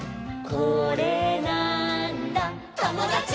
「これなーんだ『ともだち！』」